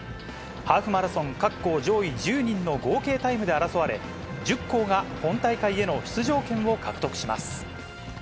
ハーフマラソン各校上位１０人の合計タイムで争われ、１０校が本大会への出場権を獲得します。